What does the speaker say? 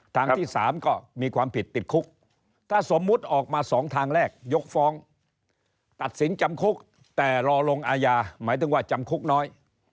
ทางที่๓ก็มีความผิดติดคุกถ้าสมมุติออกมา๒ทางแรกยกฟ้องตัดสินจำคุกแต่รอลงอายาหมายถึงว่าจำคุกน้อย